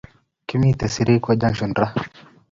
Kimiten sirikwa junction raa